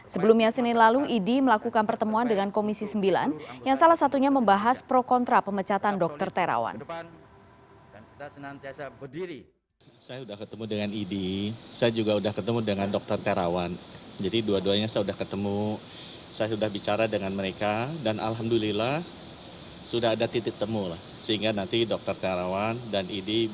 sebelumnya senin lalu idi melakukan pertemuan dengan komisi sembilan yang salah satunya membahas pro kontra pemecatan dokter terawan